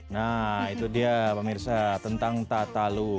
nah itu dia pak mirsa tentang tatalu